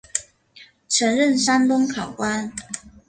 曾任山东考官。